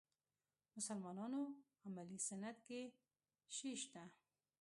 مسلمانانو عملي سنت کې شی شته.